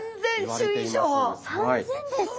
３，０００ですか？